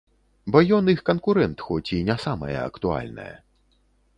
Бо ён -—іх канкурэнт, хоць і не самае актуальнае.